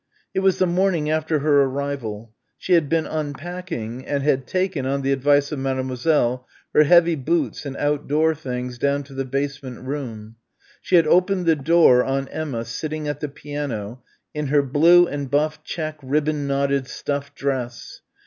It was the morning after her arrival. She had been unpacking and had taken, on the advice of Mademoiselle, her heavy boots and outdoor things down to the basement room. She had opened the door on Emma sitting at the piano in her blue and buff check ribbon knotted stuff dress.